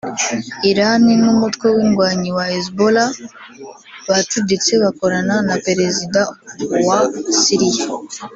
Iran n’umutwe w’indwanyi wa Hezbollah bacuditse bakorana na perezida wa Syria